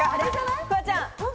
フワちゃん。